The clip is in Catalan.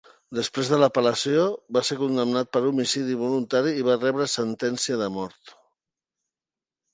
Després de l'apel·lació, va ser condemnat per homicidi voluntari i va rebre sentència de mort.